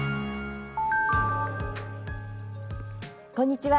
こんにちは。